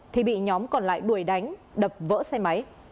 thì bị nhóm còn lại đuổi đánh đập vỡ xe máy